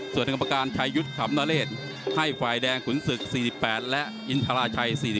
ส่วนกรรมการชายยุทธ์ขำนเลศให้ฝ่ายแดงขุนศึก๔๘และอินทราชัย๔๔